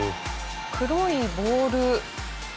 黒いボール。